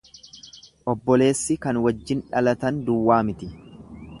Obboleessi kan wajjin dhalatan duwwaa miti.